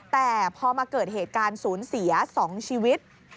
แต่พอมาเกิดเหตุการณ์ศูนย์เสีย๒ชีวิต